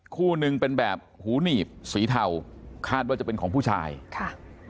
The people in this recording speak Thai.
คู่หนึ่งเป็นแบบหูหนีบสีเทาคาดว่าจะเป็นของผู้ชายค่ะ